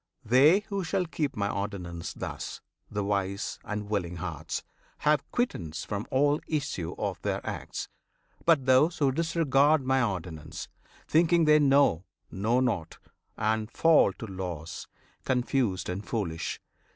They who shall keep My ordinance thus, the wise and willing hearts, Have quittance from all issue of their acts; But those who disregard My ordinance, Thinking they know, know nought, and fall to loss, Confused and foolish.